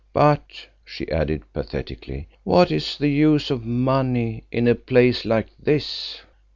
But," she added pathetically, "what is the use of money in a place like this?"